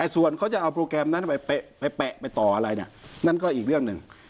ส่วนเขาจะเอาโปรแกรมนั้นไปแปะไปต่ออะไรนั่นก็อีกเรื่องหนึ่ง